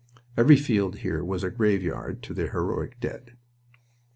Every field here was a graveyard of their heroic dead.